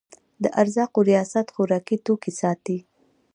د ارزاقو ریاست خوراکي توکي ساتي